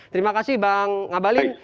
terima kasih bang ambalin